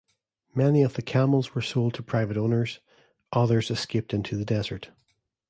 Many of the camels were sold to private owners, others escaped into the desert.